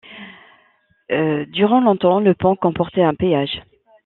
Durant longtemps, le pont comportait un péage.